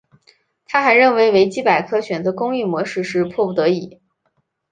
他还认为维基百科选择公益模式是迫不得已。